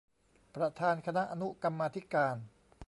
ประธานคณะอนุกรรมาธิการ